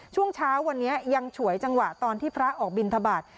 ช่วงเช้ายังฉวยจังหวะตอนที่พระออกบิณฑบาต